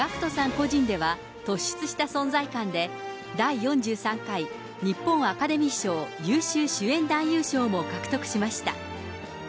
個人では突出した存在感で、第４３回日本アカデミー賞優秀主演男優賞も獲得しました。